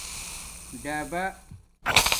ڈبا